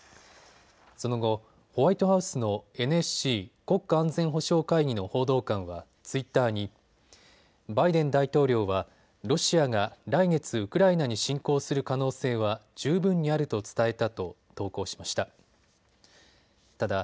その後、ホワイトハウスのＮＳＣ・国家安全保障会議の報道官はツイッターにバイデン大統領はロシアが来月ウクライナに侵攻する可能性は十分にあると伝えたと投稿しました。